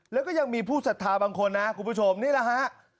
แล้วก็ยังมีผู้สัทธาบางคนนะคุณผู้ชมนี่แหละฮะ